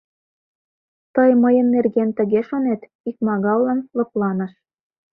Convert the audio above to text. — Тый мыйын нерген тыге шонет? — икмагаллан лыпланыш.